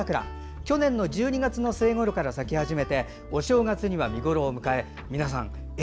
去年の１２月の末ごろから咲き始めてお正月には見頃を迎え皆さん、え？